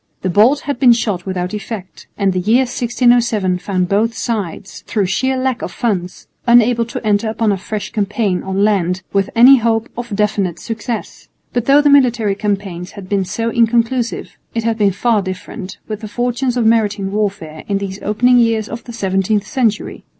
The bolt had been shot without effect, and the year 1607 found both sides, through sheer lack of funds, unable to enter upon a fresh campaign on land with any hope of definite success. But though the military campaigns had been so inconclusive, it had been far different with the fortunes of maritime warfare in these opening years of the seventeenth century.